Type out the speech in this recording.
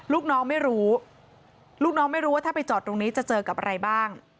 ลูกน้องไม่รู้ลูกน้องไม่รู้ว่าถ้าไปจอดตรงนี้จะเจอกับอะไรบ้าง